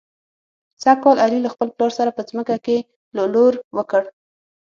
سږ کال علي له خپل پلار سره په ځمکه کې لو لور وکړ.